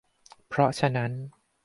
เพราะฉะนั้น